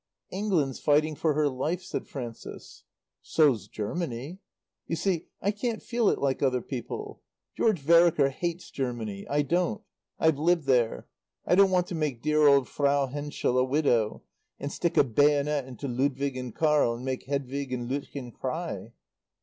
"England's fighting for her life," said Frances. "So's Germany. "You see, I can't feel it like other people. George Vereker hates Germany; I don't. I've lived there. I don't want to make dear old Frau Henschel a widow, and stick a bayonet into Ludwig and Carl, and make Hedwig and Löttchen cry."